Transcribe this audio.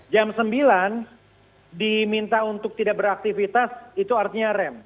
jam sembilan diminta untuk tidak beraktivitas itu artinya rem